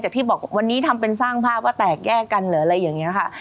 ที่บอกวันนี้ทำเป็นสร้างภาพว่าแตกแยกกันเหรออะไรอย่างนี้ค่ะ